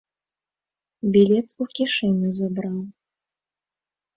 Білет у кішэню забраў.